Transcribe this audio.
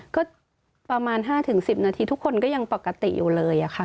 ก็ประมาณ๕๑๐นาทีทุกคนก็ยังปกติอยู่เลยค่ะ